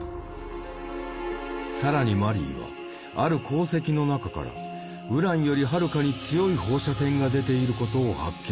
更にマリーはある鉱石の中からウランよりはるかに強い放射線が出ていることを発見する。